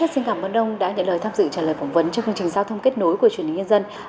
xin cảm ơn ông đã nhận lời tham dự trả lời phỏng vấn cho công trình giao thông kết nối của truyền hình nhân dân